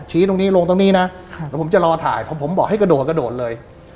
ตรงนี้ลงตรงนี้นะเดี๋ยวผมจะรอถ่ายเพราะผมบอกให้กระโดดกระโดดเลย